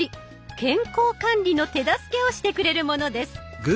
健康管理の手助けをしてくれるものです。